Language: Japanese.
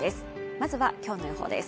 まずは今日の予報です。